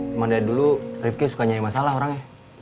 cuman dari dulu rifky suka nyari masalah orangnya